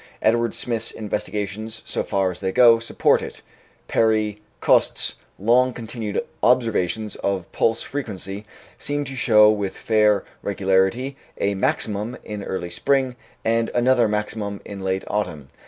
Edward Smith's investigations, so far as they go, support it, and Perry Coste's long continued observations of pulse frequency seem to show with fair regularity a maximum in early spring and another maximum in late autumn.